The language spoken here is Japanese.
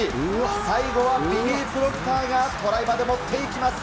最後はビリー・プロクターがトライまでもっていきます。